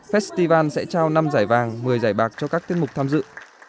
festival sẽ trao năm giải vàng một mươi giải bạc cho các tiết mục tham dự